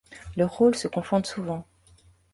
Leurs rôles se confondent souvent.